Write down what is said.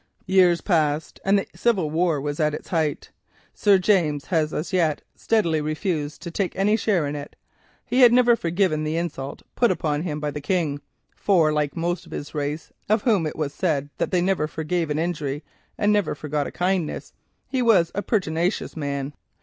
"Years passed, and the civil war was at its height. Sir James had as yet steadily refused to take any share in it. He had never forgiven the insult put upon him by the King, for like most of his race, of whom it was said that they never forgave an injury and never forgot a kindness, he was a pertinacious man.